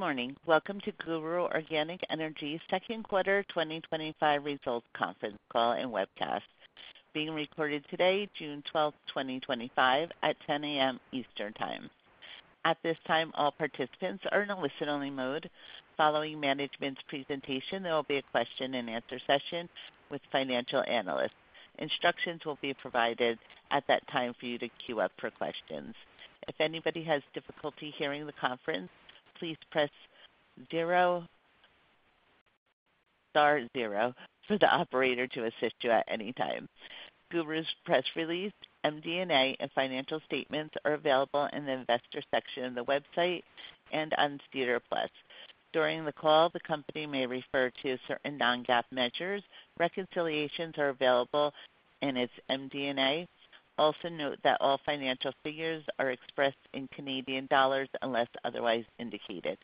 Good morning. Welcome to GURU Organic Energy's second quarter 2025 results conference call and webcast, being recorded today, June 12th, 2025, at 10:00 A.M. Eastern Time. At this time, all participants are in a listen-only mode. Following management's presentation, there will be a question-and-answer session with financial analysts. Instructions will be provided at that time for you to queue up for questions. If anybody has difficulty hearing the conference, please press 0, star 0, for the operator to assist you at any time. GURU's press release, MD&A, and financial statements are available in the investor section of the website and on Steer Plus. During the call, the company may refer to certain non-GAAP measures. Reconciliations are available in its MD&A. Also note that all financial figures are expressed in CAD unless otherwise indicated.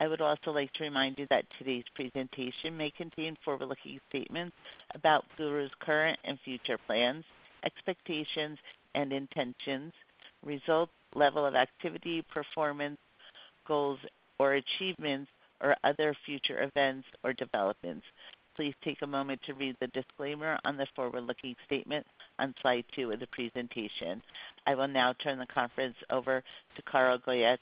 I would also like to remind you that today's presentation may contain forward-looking statements about GURU's current and future plans, expectations, and intentions, results, level of activity, performance, goals, or achievements, or other future events or developments. Please take a moment to read the disclaimer on the forward-looking statement on slide two of the presentation. I will now turn the conference over to Carl Goyette,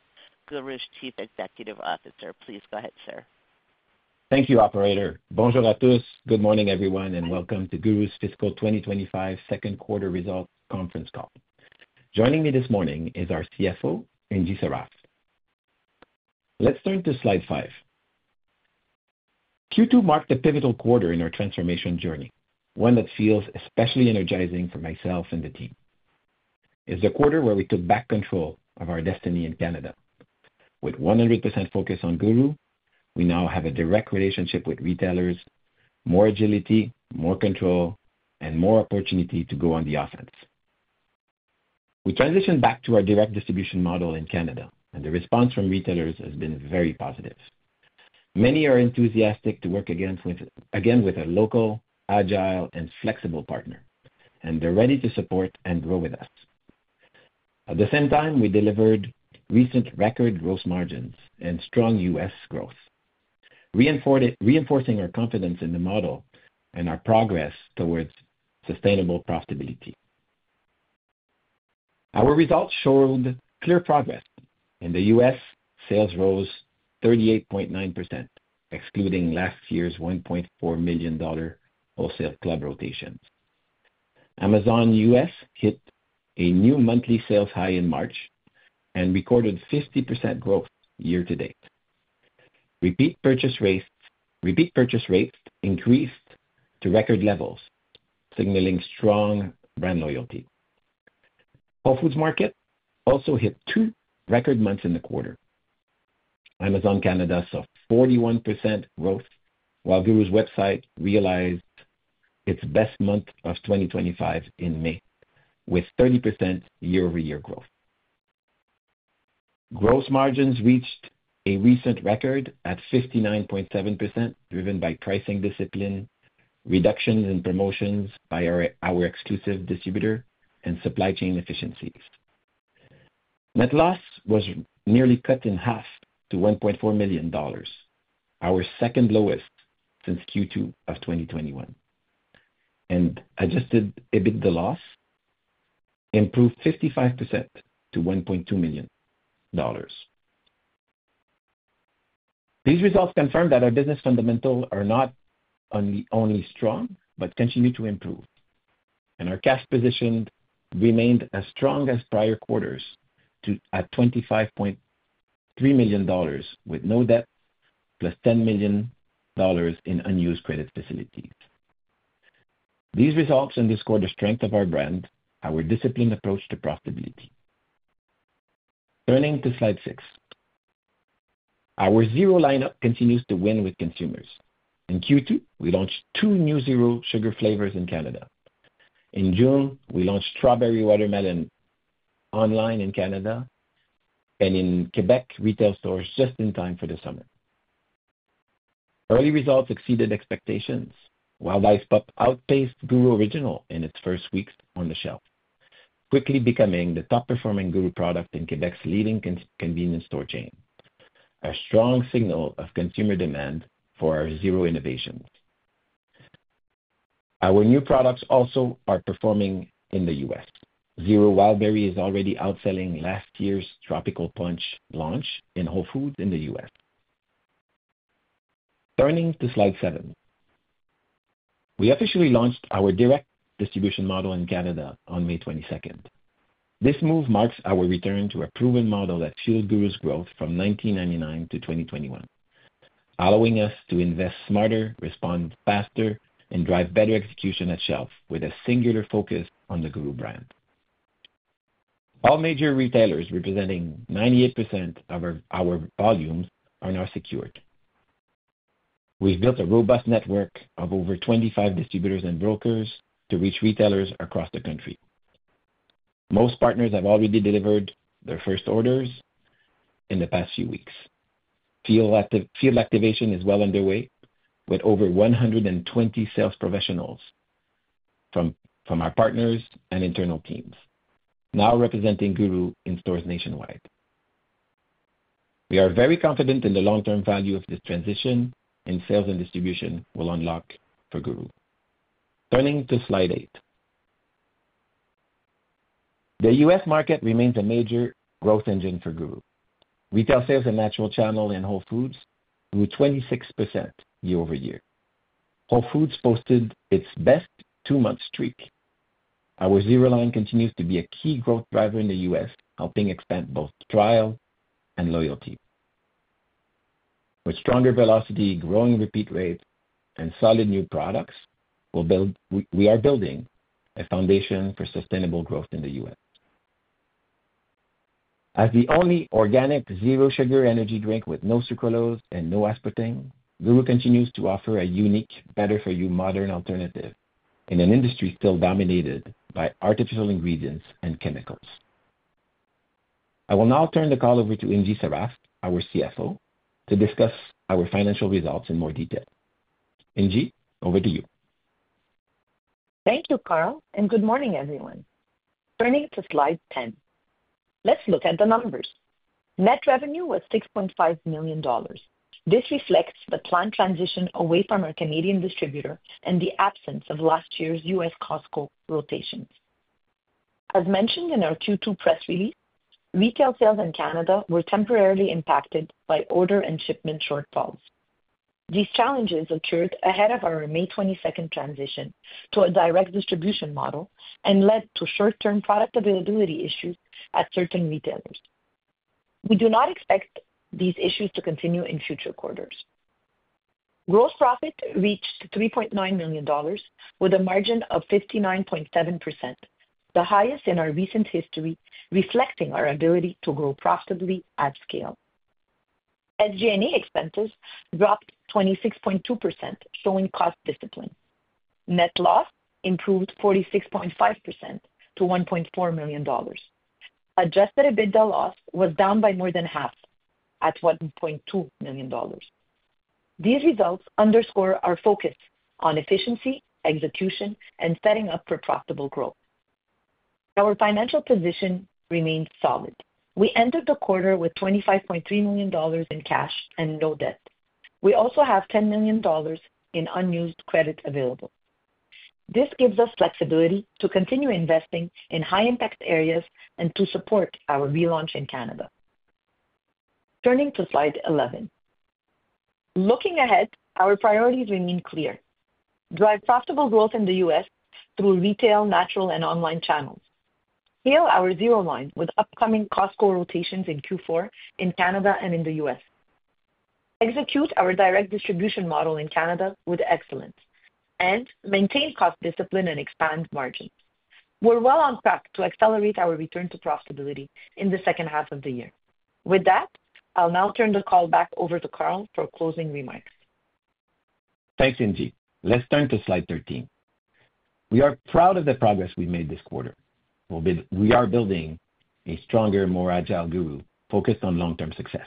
GURU's Chief Executive Officer. Please go ahead, sir. Thank you, Operator. Bonjour à tous, good morning everyone, and welcome to GURU's fiscal 2025 second quarter results conference call. Joining me this morning is our CFO, Ingy Sarraf. Let's turn to slide five. Q2 marked a pivotal quarter in our transformation journey, one that feels especially energizing for myself and the team. It's the quarter where we took back control of our destiny in Canada. With 100% focus on GURU, we now have a direct relationship with retailers, more agility, more control, and more opportunity to go on the offense. We transitioned back to our direct distribution model in Canada, and the response from retailers has been very positive. Many are enthusiastic to work again with a local, agile, and flexible partner, and they're ready to support and grow with us. At the same time, we delivered recent record gross margins and strong U.S. Growth, reinforcing our confidence in the model and our progress towards sustainable profitability. Our results showed clear progress, and U.S. sales rose 38.9%, excluding last year's 1.4 million dollar wholesale club rotations. Amazon U.S. hit a new monthly sales high in March and recorded 50% growth year to date. Repeat purchase rates increased to record levels, signaling strong brand loyalty. Whole Foods Market also hit two record months in the quarter. Amazon Canada saw 41% growth, while GURU's website realized its best month of 2025 in May, with 30% year-over-year growth. Gross margins reached a recent record at 59.7%, driven by pricing discipline, reductions in promotions by our exclusive distributor, and supply chain efficiencies. Net loss was nearly cut in half to 1.4 million dollars, our second lowest since Q2 of 2021, and adjusted EBITDA loss improved 55% to CAD 1.2 million. These results confirm that our business fundamentals are not only strong but continue to improve, and our cash position remained as strong as prior quarters at 25.3 million dollars, with no debt plus 10 million dollars in unused credit facilities. These results underscore the strength of our brand, our disciplined approach to profitability. Turning to slide six, our zero lineup continues to win with consumers. In Q2, we launched two new zero sugar flavors in Canada. In June, we launched Strawberry Watermelon online in Canada and in Quebec retail stores just in time for the summer. Early results exceeded expectations, while GURU Zero outpaced GURU Original in its first weeks on the shelf, quickly becoming the top-performing GURU product in Quebec's leading convenience store chain, a strong signal of consumer demand for our zero innovations. Our new products also are performing in the U.S. Zero Wildberry is already outselling last year's Tropical Punch launch in Whole Foods in the U.S. Turning to slide seven, we officially launched our direct distribution model in Canada on May 22nd. This move marks our return to a proven model that fueled GURU's growth from 1999 to 2021, allowing us to invest smarter, respond faster, and drive better execution at shelf with a singular focus on the GURU brand. All major retailers representing 98% of our volumes are now secured. We've built a robust network of over 25 distributors and brokers to reach retailers across the country. Most partners have already delivered their first orders in the past few weeks. Field activation is well underway with over 120 sales professionals from our partners and internal teams, now representing GURU in stores nationwide. We are very confident in the long-term value of this transition in sales and distribution we will unlock for GURU. Turning to slide eight, the U.S. market remains a major growth engine for GURU. Retail sales and natural channel in Whole Foods grew 26% year-over-year. Whole Foods posted its best two-month streak. Our zero line continues to be a key growth driver in the U.S., helping expand both trial and loyalty. With stronger velocity, growing repeat rates, and solid new products, we are building a foundation for sustainable growth in the U.S. As the only organic zero sugar energy drink with no sucralose and no aspartame, GURU continues to offer a unique, better-for-you modern alternative in an industry still dominated by artificial ingredients and chemicals. I will now turn the call over to Ingy Sarraf, our CFO, to discuss our financial results in more detail. Ingy, over to you. Thank you, Carl, and good morning, everyone. Turning to slide 10, let's look at the numbers. Net revenue was 6.5 million dollars. This reflects the planned transition away from our Canadian distributor and the absence of last year's U.S. Costco rotations. As mentioned in our Q2 press release, retail sales in Canada were temporarily impacted by order and shipment shortfalls. These challenges occurred ahead of our May 22nd transition to a direct distribution model and led to short-term product availability issues at certain retailers. We do not expect these issues to continue in future quarters. Gross profit reached 3.9 million dollars with a margin of 59.7%, the highest in our recent history, reflecting our ability to grow profitably at scale. SG&A expenses dropped 26.2%, showing cost discipline. Net loss improved 46.5% to 1.4 million dollars. Adjusted EBITDA loss was down by more than half at 1.2 million dollars. These results underscore our focus on efficiency, execution, and setting up for profitable growth. Our financial position remained solid. We entered the quarter with 25.3 million dollars in cash and no debt. We also have 10 million dollars in unused credit available. This gives us flexibility to continue investing in high-impact areas and to support our relaunch in Canada. Turning to slide 11, looking ahead, our priorities remain clear: drive profitable growth in the U.S. through retail, natural, and online channels. Heal our zero line with upcoming Costco rotations in Q4 in Canada and in the U.S. Execute our direct distribution model in Canada with excellence and maintain cost discipline and expand margins. We're well on track to accelerate our return to profitability in the second half of the year. With that, I'll now turn the call back over to Carl for closing remarks. Thanks, Ingy. Let's turn to slide 13. We are proud of the progress we've made this quarter. We are building a stronger, more agile GURU focused on long-term success.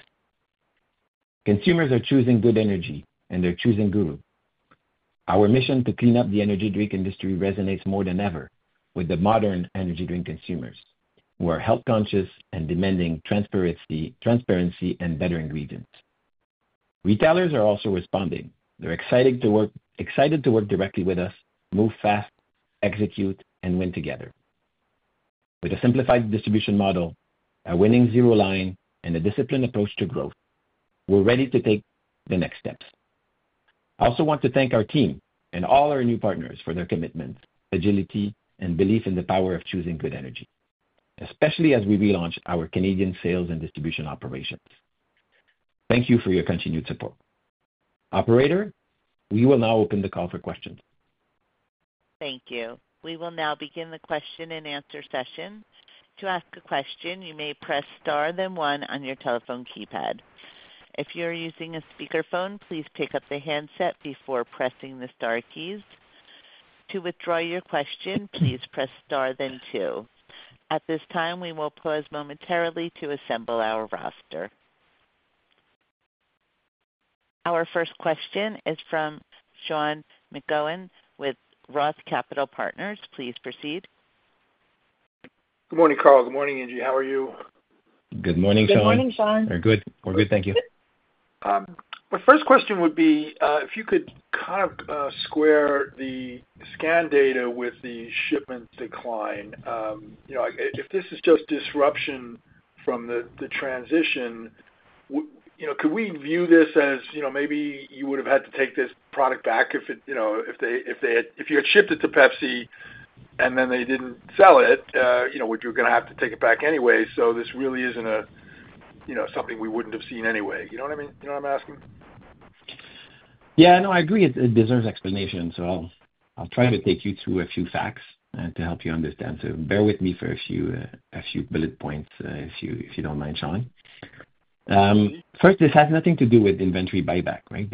Consumers are choosing good energy, and they're choosing GURU. Our mission to clean up the energy drink industry resonates more than ever with the modern energy drink consumers, who are health-conscious and demanding transparency and better ingredients. Retailers are also responding. They're excited to work directly with us, move fast, execute, and win together. With a simplified distribution model, a winning zero line, and a disciplined approach to growth, we're ready to take the next steps. I also want to thank our team and all our new partners for their commitment, agility, and belief in the power of choosing good energy, especially as we relaunch our Canadian sales and distribution operations. Thank you for your continued support. Operator, we will now open the call for questions. Thank you. We will now begin the question-and-answer session. To ask a question, you may press star then 1 on your telephone keypad. If you're using a speakerphone, please pick up the handset before pressing the star keys. To withdraw your question, please press star then 2. At this time, we will pause momentarily to assemble our roster. Our first question is from Sean McGowan with Roth Capital Partners. Please proceed. Good morning, Carl. Good morning, Angie. How are you? Good morning, Sean. Good morning, Sean. We're good. Thank you. My first question would be if you could kind of square the scan data with the shipment decline. If this is just disruption from the transition, could we view this as maybe you would have had to take this product back if they had, if you had shipped it to Pepsi and then they did not sell it, you know you are going to have to take it back anyway. This really is not something we would not have seen anyway. You know what I mean? You know what I am asking? Yeah, no, I agree. It deserves explanation. I'll try to take you through a few facts to help you understand. Bear with me for a few bullet points, if you do not mind, Sean. First, this has nothing to do with inventory buyback, right?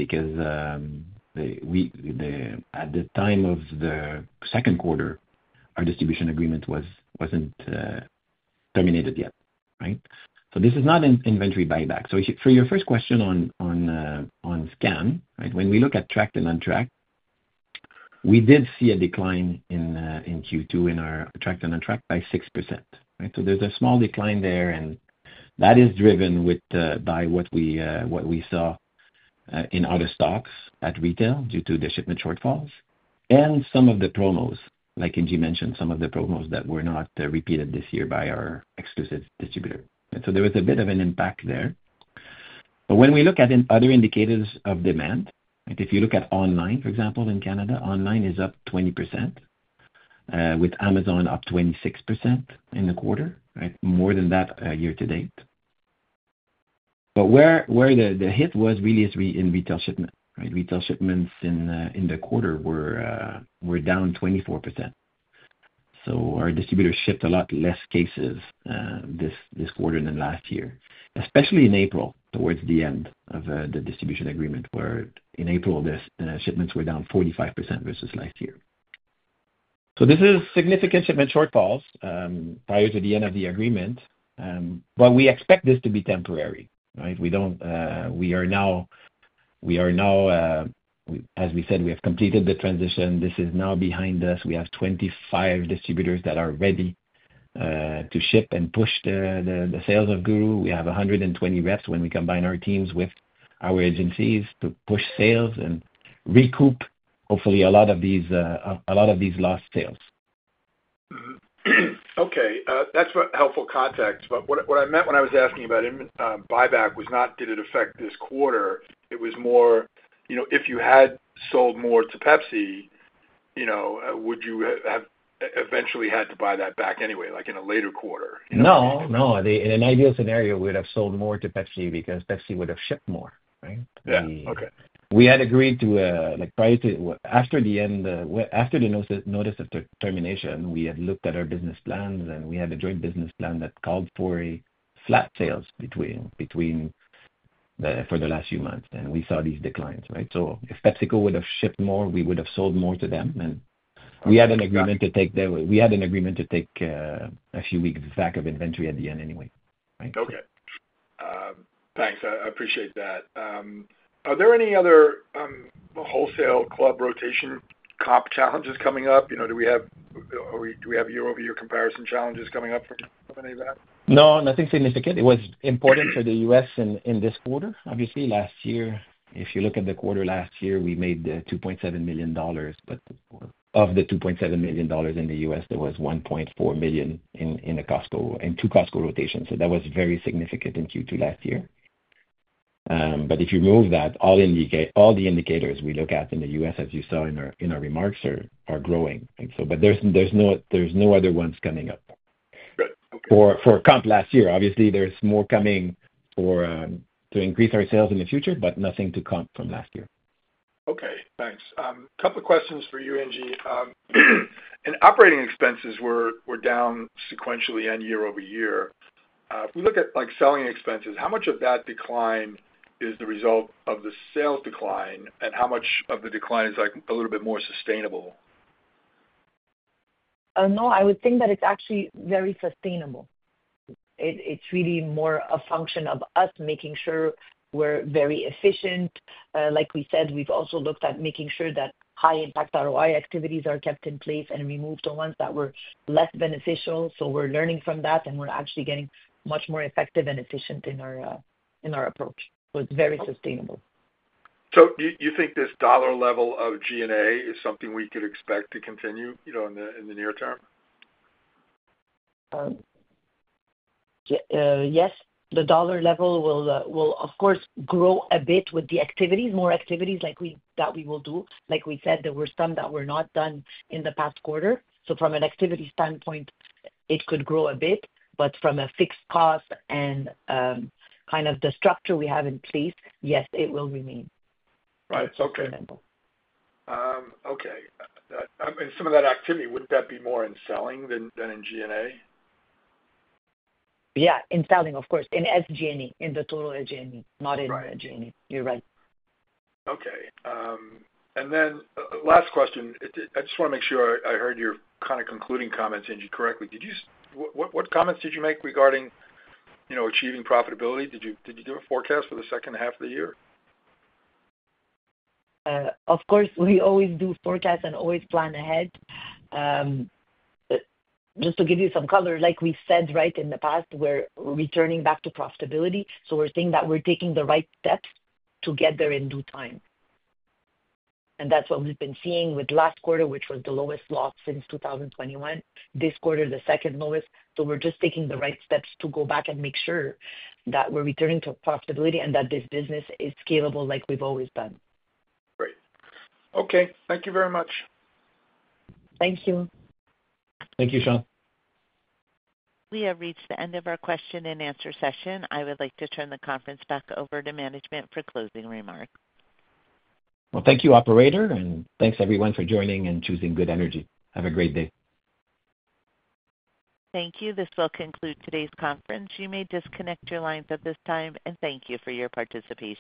At the time of the second quarter, our distribution agreement was not terminated yet, right? This is not an inventory buyback. For your first question on scan, when we look at tracked and untracked, we did see a decline in Q2 in our tracked and untracked by 6%. There is a small decline there, and that is driven by what we saw in other stocks at retail due to the shipment shortfalls and some of the promos, like Ingy mentioned, some of the promos that were not repeated this year by our exclusive distributor. There was a bit of an impact there. When we look at other indicators of demand, if you look at online, for example, in Canada, online is up 20%, with Amazon up 26% in the quarter, more than that year to date. Where the hit was really is in retail shipment. Retail shipments in the quarter were down 24%. Our distributor shipped a lot less cases this quarter than last year, especially in April towards the end of the distribution agreement, where in April, the shipments were down 45% versus last year. This is significant shipment shortfalls prior to the end of the agreement, but we expect this to be temporary. We are now, as we said, we have completed the transition. This is now behind us. We have 25 distributors that are ready to ship and push the sales of GURU. We have 120 reps when we combine our teams with our agencies to push sales and recoup, hopefully, a lot of these lost sales. Okay. That's helpful context. What I meant when I was asking about buyback was not, did it affect this quarter? It was more if you had sold more to Pepsi, would you have eventually had to buy that back anyway, like in a later quarter? No, no. In an ideal scenario, we would have sold more to Pepsi because PepsiCo would have shipped more. We had agreed to, after the end, after the notice of termination, we had looked at our business plans, and we had a joint business plan that called for flat sales for the last few months. We saw these declines. If PepsiCo would have shipped more, we would have sold more to them. We had an agreement to take a few weeks back of inventory at the end anyway. Okay. Thanks. I appreciate that. Are there any other wholesale club rotation comp challenges coming up? Do we have year-over-year comparison challenges coming up from any of that? No, nothing significant. It was important for the U.S. in this quarter. Obviously, last year, if you look at the quarter last year, we made 2.7 million dollars. Of the 2.7 million dollars in the U.S., there was 1.4 million in two Costco rotations. That was very significant in Q2 last year. If you remove that, all the indicators we look at in the U.S., as you saw in our remarks, are growing. There are no other ones coming up. For comp last year, obviously, there is more coming to increase our sales in the future, but nothing to comp from last year. Okay. Thanks. A couple of questions for you, Ingy. Operating expenses were down sequentially and year-over-year. If we look at selling expenses, how much of that decline is the result of the sales decline, and how much of the decline is a little bit more sustainable? No, I would think that it's actually very sustainable. It's really more a function of us making sure we're very efficient. Like we said, we've also looked at making sure that high-impact ROI activities are kept in place and remove the ones that were less beneficial. We're learning from that, and we're actually getting much more effective and efficient in our approach. It's very sustainable. Do you think this dollar level of G&A is something we could expect to continue in the near term? Yes. The dollar level will, of course, grow a bit with the activities, more activities that we will do. Like we said, there were some that were not done in the past quarter. From an activity standpoint, it could grow a bit. From a fixed cost and kind of the structure we have in place, yes, it will remain. Right. Okay. Okay. Some of that activity, wouldn't that be more in selling than in G&A? Yeah, in selling, of course. In SG&A, in the total SG&A, not in G&A. You're right. Okay. And then last question. I just want to make sure I heard your kind of concluding comments, Ingy, correctly. What comments did you make regarding achieving profitability? Did you do a forecast for the second half of the year? Of course, we always do forecasts and always plan ahead. Just to give you some color, like we've said right in the past, we're returning back to profitability. We are seeing that we're taking the right steps to get there in due time. That is what we've been seeing with last quarter, which was the lowest loss since 2021. This quarter, the second lowest. We are just taking the right steps to go back and make sure that we're returning to profitability and that this business is scalable like we've always done. Great. Okay. Thank you very much. Thank you. Thank you, Sean. We have reached the end of our question-and-answer session. I would like to turn the conference back over to management for closing remarks. Thank you, Operator, and thanks everyone for joining and choosing good energy. Have a great day. Thank you. This will conclude today's conference. You may disconnect your lines at this time, and thank you for your participation.